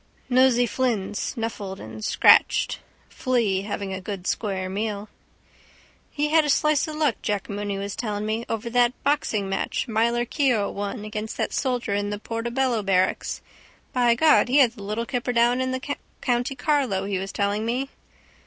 Nosey Flynn snuffled and scratched. Flea having a good square meal. —He had a good slice of luck, Jack Mooney was telling me, over that boxingmatch Myler Keogh won again that soldier in the Portobello barracks. By God, he had the little kipper down in the county Carlow he was telling me...